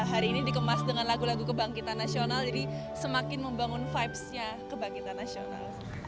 hari ini dikemas dengan lagu lagu kebangkitan nasional jadi semakin membangun vibesnya kebangkitan nasional